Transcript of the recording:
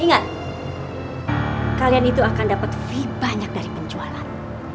ingat kalian itu akan dapat lebih banyak dari penjualan